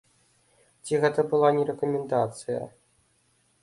Ці гэта была не рэкамендацыя?